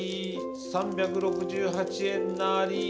３６８円なり。